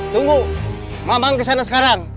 tunggu mamang kesana sekarang